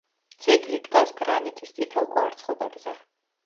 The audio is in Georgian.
ძეგლი დგას გრანიტის წითელ კვარცხლბეკზე.